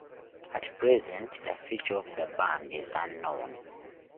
At present the future of the band is unknown.